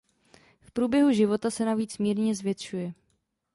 V průběhu života se navíc mírně zvětšuje.